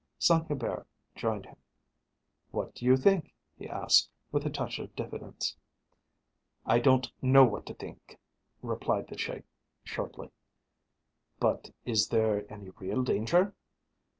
Saint Hubert joined him. "What do you think?" he asked, with a touch of diffidence. "I don't know what to think," replied the Sheik shortly. "But is there any real danger?"